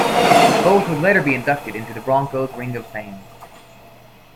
Both would later be inducted into the Broncos Ring of Fame.